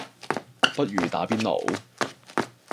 不如打邊爐